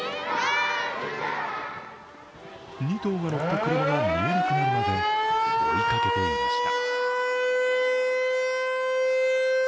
２頭が乗った車が見えなくなるまで追いかけていました。